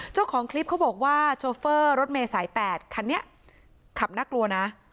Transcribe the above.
เจ้าของคลิปเขาบอกว่าโชเฟอร์รถเมย์สาย๘คันนี้ขับน่ากลัวนะ